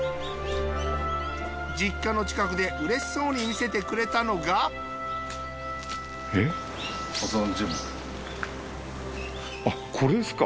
実家の近くでうれしそうに見せてくれたのがこれですか。